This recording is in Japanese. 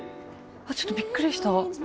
ちょっとびっくりした。